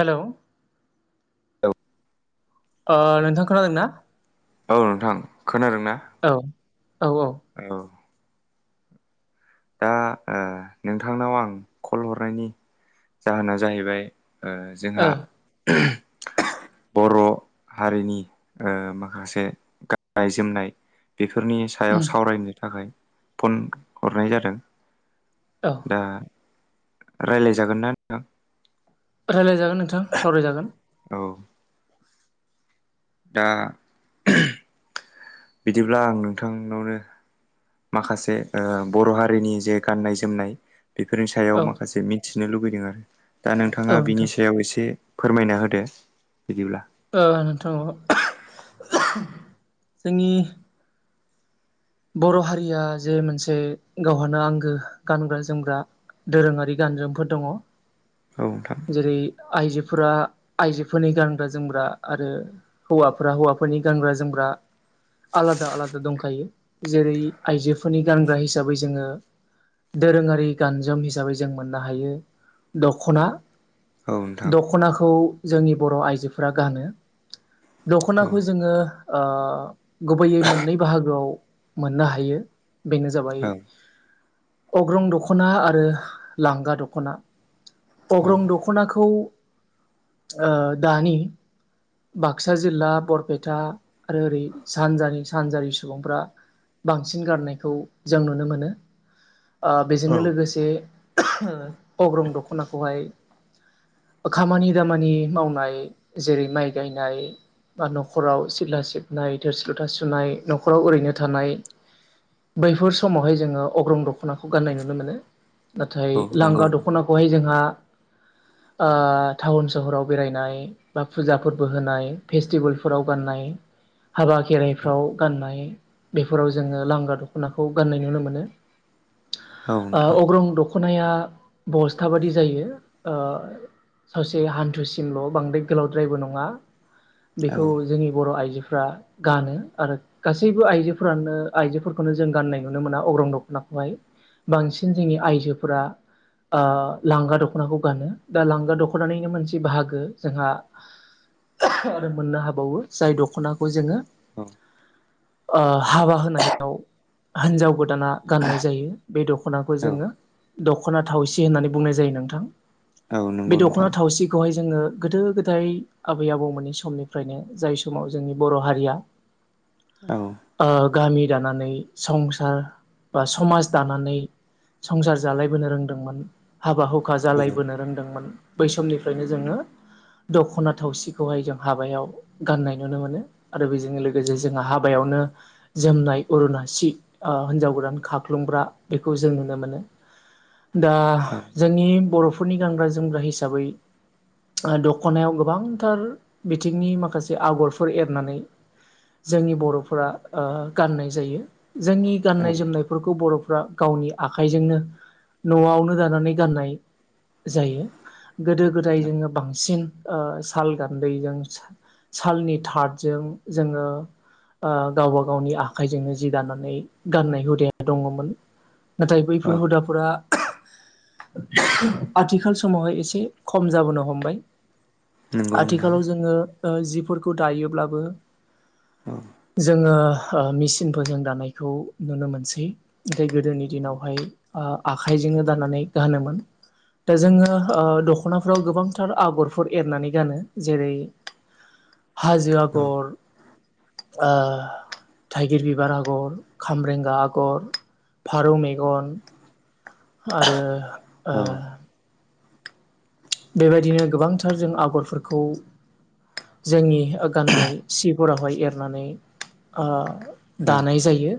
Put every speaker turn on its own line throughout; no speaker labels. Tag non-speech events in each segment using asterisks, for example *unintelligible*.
हेलै
औ।
ओ नोंथां खोनादोंना?
औ नोंथां खोनादों ना?
औ ओ
औ दा ओ नोंथांनाव आं कल हरनायनि जाहोना जाहैबाय। ओ जोंहा बर'। हारिनि ओ माखासे गाननाय जोमनाय। बेफोरनि सायाव
उम
सावरायनो थाखाय फन हरनाय जादों।
औ
दा राय्लाय जागोन ना नोंथां?
राय्लायजागोन नोंथां सावरायजागोन।
औ दा बिदिब्ला आं नोंथांनावनो। माखासे ओ बर' हारिनि जे गाननाय जोमनाय। बेफोरनि सायाव
औ
माखासे मिथिनो लुबैदों आरो दा नोंथाङा
औ
बिनि
नोंथां
सायाव एसे फोरमायना होदो बिदिब्ला
ओ नोंथां ओ जोंनि। बर' हारिया जे मोनसे गावहानो आंगो गानग्रा जोमग्रा। दोरोङारि गानजोमफोर दङ
औ नोंथां।
जेरै आइजोफोरा आइजोफोरनि गानग्रा जोमग्रा आरो हौवाफोरा हौवाफोरनि गानग्रा जोमग्रा आलादा आलादा दंखायो जेरै आइजोफोरनि गानग्रा हिसाबै जोङो दोरोङारि गानजोम हिसाबै जों मोननो हायो दख'ना।
औ नोंथां
दखनाखौ जोंनि बर आइजोफोरा गानो
औ
दख'नाखौ जोङो ओ गुबैयै मोननै बाहागोआव। मोननो हायो बेनो जाबाय।
औ
अग्रं दखना आरो लांगा दखना अग्रं दखनाखौ ओ दानि बाक्सा जिल्ला बरपेटा आरो ओरै सानजानि सानजारि सुबुंफ्रा। बांसिन गारनायखौ जों नुनो मोनो ओ
औ
बेजोंनो लोगोसे। अग्रं दखनाखौहाय खामानि दामानि मावनाय जेरै माइ गायनाय। बा न'खराव सिथला सिबनाय थोरसि ल'था सुनाय न'राव ओरैनो। थानाय बैफोर समावहाय जोङो अग्रं दखनाखौ जोङो गान्नाय नुनो मोनो नाथाय
औ नंगौ
लांगा
नोंथां
दखनाखौहाय जोंहा
*inaudible*
ओ टाउन सहराव बेरायनाय बा फुजाफोरबो होनाय फेस्टिभेलफोराव गाननाय
*inaudible*
हाबा
औ
खेराइफ्राव गाननाय बेफोराव जोङो लांगा दखनाखौ गाननाय नुनो मोनो
औ
ओ
नोंथां
अग्रं दख'नाया बस्था बादि जायो ओ। सावसे हान्थुसिमल बांद्राय गोलावद्रायबो नङा
औ
बेखौ जोंनि बर' आइजोफ्रा गानो आरो गासैबो आइजो। फोरानो आइजोफोरखौनो जों गाननाय नुनो मोना अग्रं दख नाखौहाय बांसिन जोंनि आइजोफोरा। ओ लांगा दख'नाखौ गानो दा लांगा दख'नानैनो मोनसे बाहागो जोंहा। आरो मोननो हाबावो जाय दखनाखौ जोङो
औ
ओ हाबा होनायाव हिन्जाव गोदाना गाननाय जायो बे दख'नाखौ
औ
जोङो। दखना थावसि होननानै बुंनाय जायो नोंथां
औ नों-
बे दखना थावसिखौहाय जो जोङो गोदो गोदाय आबै आबौमोननि समनिफ्रायनो जाय समाव जोंनि बर' हारिया
औ।
ओ गामि दानानै संसार बा समाज दानानै। संसार जालायबोनो रोंदोंमोन हाबा हुखा
औ
जालायबोनो रोंदोंमोन बै समनिफ्रायनो जोङो दख'ना थावसिखौहाय जों हाबायाव गाननाय नुनो मोनो आरो बेजों लोगोसे जोंहा हाबायावनो। जोमनाय अरुनाासि हिनजाव ओ गोदान खाख्लुमग्रा बेखौ जों नुनो मोनो। दा
औ
जोंनि बर'फोरनि गानग्रा जोमग्रा हिसाबै। दख'नायाव गोबांथार बिथिंनि माखासे आगरफोर एरनानै। जोंनि बर'फोरा ओ गाननाय जायो जोंनि
औ
गाननाय जोमनायफोरखौ बर'। फ्रा गावनि आखाइजोंनो नआवनो दानानै गाननाय जायो गोदो गोदाय जोङो बांसिन ओ साल गान्दैजों सालनि थादजों जोङो गावबा गावनि आखाइजोंनो जि दानानै गाननाय हुदे दङमोन। नाथाय बैफोर हुदाफोरा आथिखाल समावहाय एसे खम जाबोनो हमबाय।
नंगौ नोंथां
आथिखालाव जोङो ओ जिफोरखौ दायोब्लाबो
औ
जोङो मेचिनफोर जों दानायखौ नुनो मोनसै ओम गोदोनि दिनावहाय। आखाइजोंनो दाननानै गानोमोन दा जोङो दख'नाफ्राव गोबांथार आगरफोर एरनानै गानो जेरै हाजो
औ
आगर आ थाइगिर बिबार आगर खामरेंगा आगर फारौ मेगन आरो
औ
बेबायदिनो गोबांथार जों आगरफोरखौ जोंनि गाननाय सिफोरावहाय एरनानै
औ
दानाय जायो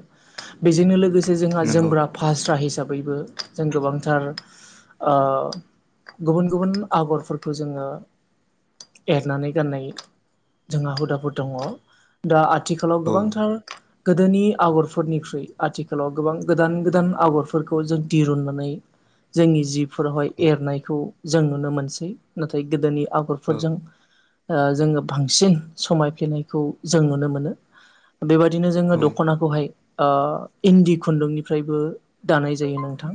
बेजोंनो लोगोसे जोंहा
नंगौ
जोमग्रा फास्रा हिसाबैबो जों गोबांथार ओ गुबुन गुबुन आगरफोरखौ जोङो एरनानै गाननाय जोंहा हुदाफोर दङ दा आथिखालाव
औ
गोबांथार गोदोनि आगरफोरनिख्रुइ आथिखालाव गोबां गोदान गोदान आगरफोरखौ जों दिरुननानै जोंनि जिफोरावहाय एरनायखौ जों नुनो मोनो नाथाय गोदोनि
औ
आगरफोरजों जोङो बांसिन समायफ्लेनायखौ जों नुनो मोनो बेबायदिनो जोङो
नंगौ
दख'नाखौहाय इन्दि खुन्दुंनिफ्रायबो दानाय जायो नोंथां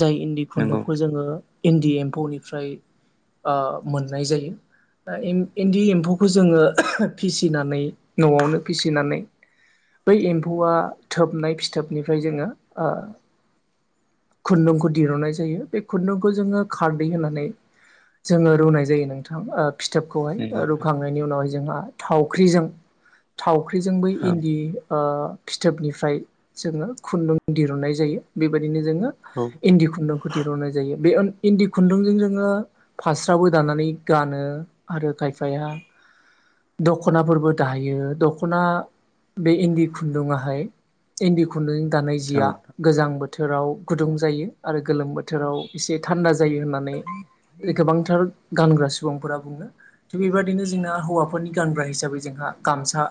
जाय इन्दि
नंगौ
खुन्दुंखौ जोङो इन्दि एम्फौनिफ्राय ओ मोननाय जायो इन्दि एम्फौखौ जोङो फिसिनानै न'आवनो फिसिनानै बै एम्फौआ थोबनाय फिथोबनिफ्राय जोङो ओ खुन्दुंखौ दिहुननाय जायो बे खुन्दुंखौ जोङो खारदै होनानै जोङो रुनाय जायो नोंथां
औ
फिथोबखौहाय रुखांनायनि उनावहाय जोंहा थावख्रिजों थावख्रिजों बै
औ
इन्दि ओ फिथोबनिफ्राय जोङो खुन्दुं दिरुननाय जायो बेबायदिनो जोङो इन्दि खुन्दुंखौ दिरुननाय जायो बे इन्दि खुन्दुंजों जोङो फास्राबो दानानै गानो आरो खायफाया दख'नाफोरबो दायो दख'ना बे इन्दि खुन्दुाहाय इन्दि खुन्दुंजों दानाय
औ
जिया गोजां बोथोर बोथोराव गुदुं जायो आरो गोलोम बोथोराव एसे थान्दा जायो होननानै गोबांथार गानग्रा सुबुंफोरा बुंनो थिग बेबायदिनो जोंना हौवाफोरनि गानग्रा हिसाबै जोंहा गामसा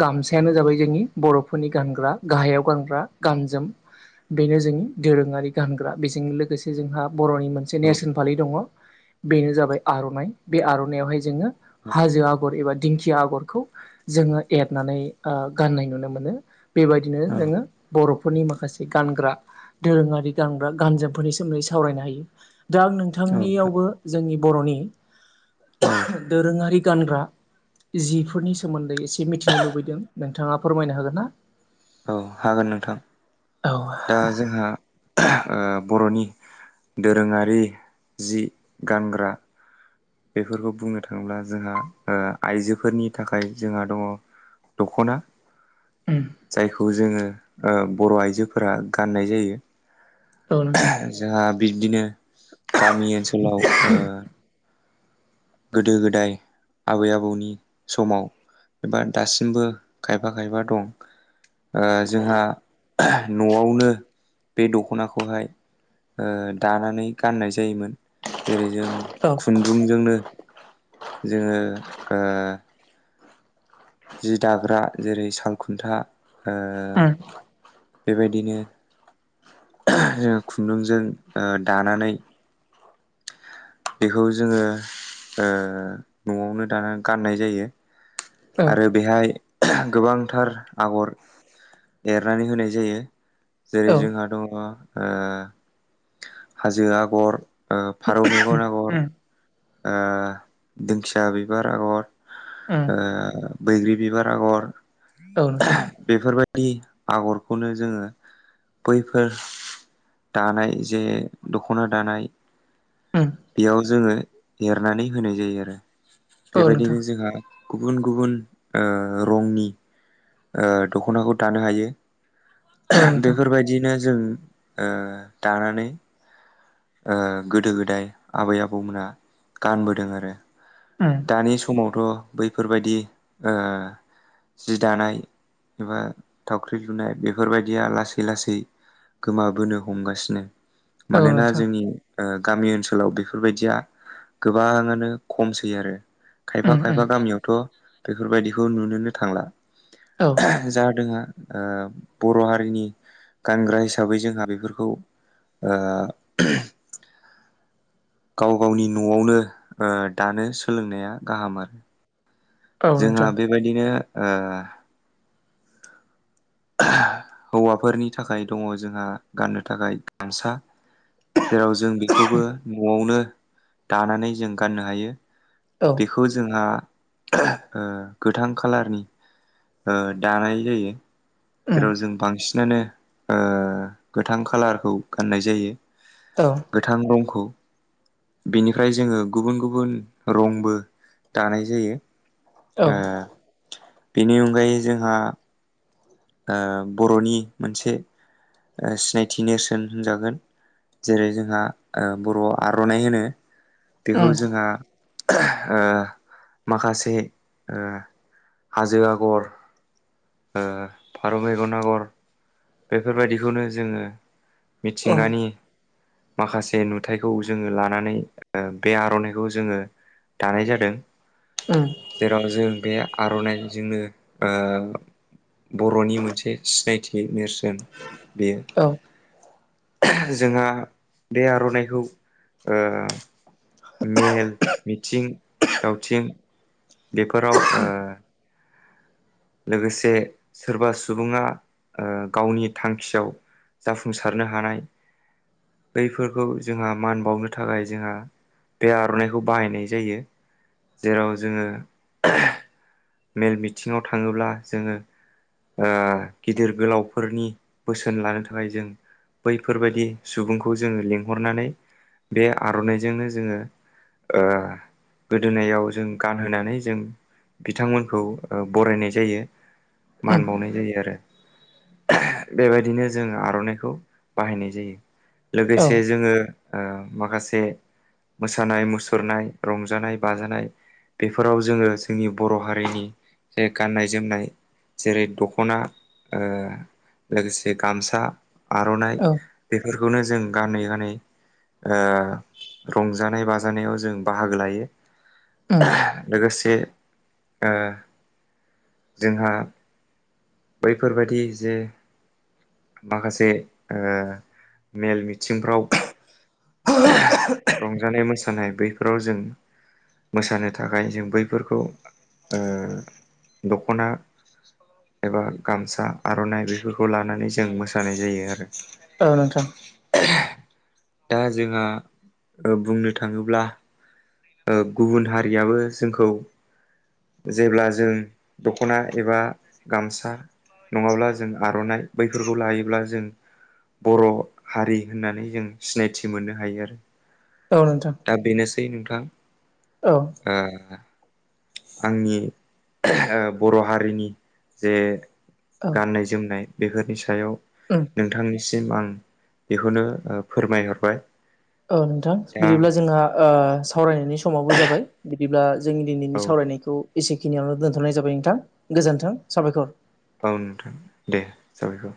गामसायानो जाबाय जोंनि बर'फोरनि गानग्रा गाहायाव गानग्रा गानजोम बेनो जोंनि दोरोङारि गानग्रा बेजों लोगोसे जोंहा बर'नि मोनसे नेेरसोन फालि दङ। बेनो जाबाय आर'नाइ बे आर'नाइयावहाय जोङो हाजो आगर एबा दिंखिया आगरखौ जोङो एरनानै गाननाय नुनो मोनो बेबायदिनो जोङो बर'फोरनि माखासे जि गानग्रा दोरोङारि गानग्रा गानजोमफोरनि सोमोन्दै सावरायनो हायो। दां
नोंथां
नोंथांनियावबो जोंनि बर'नि
औ
दोरोङारि गानग्रा जिफोरनि सोमोन्दै एसे मिथिनो लुबैदों नोंथाङा फोरमायनो हागोन ना
औ हागोन नोंथां
औ
दा जोंहा बर'नि दोरोङारि जि गानग्रा बेफोरखौ बुंनो थाङोब्ला, जोंहा ओ आइजोफोरनि थाखाय जोंहा दङ। दख'ना।
उम।
*unintelligible* जोङो बर' आइजोफोरा गाननाय जायो।
औ नोंथां
जोंहा बिब्दिनो गामि ओनसोलाव ओ गोदो- गोदाय आबै -आबौनि समाव एबा दासिमबो खायफा -खायफा दं। ओ जोंहा न'आवनो बे दख'नाखौहाय ओ दानानै गाननाय जायोमोन। जेरै जों
औ
खुन्दुंजोंनो जोङो जि दाग्रा जेरै सालखुन्था ओ
उम
बेबायदिनो जों खुन्दुंजों ओ दानानै बेखौ जोङो, ओ न'आवनो दाना गाननाय जायो।
औ
आरो बेहाय गोबांथार आगर एरनानै होनाय जायो। जेरै
औ
जोंहा
उम
दं ओ हाजो आगर, ओ फारौ मेगन आगर। ओ दिंखिया बिबार आगर।
उम
ओ बैग्रि बिबार आगर,
औ नोंथां
बेफोरबाय *unintelligible* आगरखौनो जोङो बैफोर दानाय जे दख'ना दानाय,
उम
बेयाव जोङो एरनानै होनाय जायो आरो,
औ नोंथां
बेबायदिनो जोंहा गुबुन गुबुन ओ रंनि ओ दख'नाखौ दानो हायो।
औ नोंथां
बेफोरबायदिनो जों ओ दानानै ओ गोदो -गोदाय आबै आबौमोनहा गानबोदों आरो।
उम
दानि समावथ' बैफोरबायदि ओ जि दानाय एबा थावख्रि लुनाय बेफोरबायदिया लासै- लासै गोमाबोनो हमगासिनो।
औ
मानोना
नोंथां
जोंनि गामि ओनसोलाव बेफोरबायदिया गोबाङानो खमसै। *unintelligible* आरो खायफा
उम उम
-खायफा गामियावथ' बेफोरबायदिखौ नुनोनो थांला।
औ
*unintelligible* ओ बर' हारिनि गानग्रा हिसाबै जोंहा बेफोरखौ ओ गाव -गावनि न'आवनो ओ दानो सोलोंनाया गाहाम आरो।
औ
जोंहा
नोंथां
बेबायदिनो ओ हौवाफोरनि थाखाय दङ जोंहा गाननो थाखाय गामसा। जेराव जों बेखौबो न'आवनो दानानै जों गाननो हायो।
औ
बेखौ जोंहा ओ गोथां खालारनि ओ दानाय जायो।
उम
जेराव जों बांसिनानो ओ गोथां खाालारखौ गाननाय जायो।
औ
गोथां रंखौ बेनिफ्राय जोङो गुबुन- गुबुन रंबो दानाय जायो।
उम
ओ
औ
बेनि अनगायै जोंहा ओ बर'नि मोनसे सिनायथि नेरसोन होनजागोन। जेरै- जोंहा बर'आव आर'नाइ होनो बेखौ
उम
जोंहा ओ माखासे ओ हाजो आगर, ओ फारौ मेगन आगर बेफोरबायदिखौनो जोङो
औ उम
मिथिंगानि माखासे नुथायखौ जोङो लानानै बे आर'नाइखौ जोङो दानाय जादों जेराव जों बे आर'नाइजोंनो बर'नि मोनसे सिनायथि नेरसोन
औ
बेयो जोंहा बे आर'नाइखौ मेल मिथिं दावथिं बेफोराव लोगोसे सोरबा सुबुङा गावनि थांखियाव जाफुंसारनो हानाय बैफोरखौ जोंहा मान बावनो थाखाय जोंहा बे आर'नाइखौ बाहायनाय जायो जेराव जोङो मेल मिथिङाव थाङोब्ला जोङो गिदिर गोलावफोरनि बोसोन लानो थाखाय जों बैफोरबायदि सुबुंखौ जोङो लिंहरनानै बे आर'नाइजोंनो जोङो ओ गोदोनायाव जों गानहोनानै जों बिथांमोनखौ बरायनाय जायो मान बावनाय जायो आरो। बेबायदिनो जोङो आर'नाइखौ बाहायनाय जायो। लोगोसे जोङो ओ माखासे मोसानाय मुसुरनाय रंजानाय बाजानाय बेफोराव जोङो जोंनि बर' हारिनि जे गाननाय जोमनाय जेरै दख'ना ओ लोगोसे गामसा आर'नाइ
उम
बेफोरखौनो जों गानै गानै ओ रंजानाय बाजानायाव जों बाहागो लायो लोगोसे ओ जोंहा बैफोर बायदि जे माखासे ओ मेल मिथिंफ्राव रंजानाय मोसानाय बैफोराव जों मोसानो थाखाय जों बैफोरखौ ओ दख'ना एबा गामसा आर'नाइ बेफोरखौ लानानै जों मोसानाय जायो आरो।।
औ नोंथां
दा जोंहा बुंनो थाङोब्ला गुबुन हारियाबो जोंखौ जेब्ला जों दख'ना एबा गामसा नङाब्ला जों आर'नाइ बैफोरखौ लायोब्ला जों बर' हारि होननानै जों सिनायथि मोननो हायो आरो।
औ नोंथां
दा बेनोसै नों
औ
ओ आंनि बर' हारिनि जे
औ
गाननाय जोमनाय बेफोरनि सायाव
उम
नोंथांनि सिम आं बेखौनो फोरमायहरबाय
औ नोंथां
दा
बिदिब्ला जोंहा
औ
सावरायनायनि समावबो जाबाय बिदिब्ला जोंनि दिनैनि सावरायनायखौ एसेखिनियावनो दोनथ'नाय जाबाय नोंथां गोजोन्थों साबायखर।
औ नोंथां दे जाबायबा